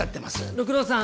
六郎さん